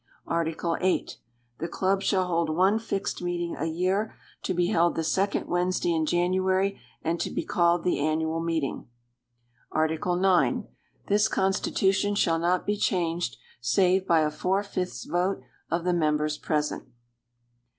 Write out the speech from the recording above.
Article VIII. The Club shall hold one fixed meeting a year, to be held the second Wednesday in January, and to be called the annual meeting. Article IX. This Constitution shall not be changed, save by a four fifths vote of the members present.